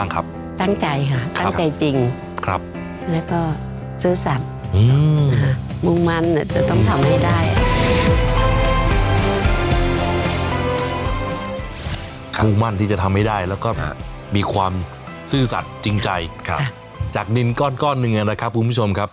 มุ่งมั่นที่จะทำให้ได้แล้วก็มีความซื่อสัตว์จริงใจจากดินก้อนหนึ่งนะครับคุณผู้ชมครับ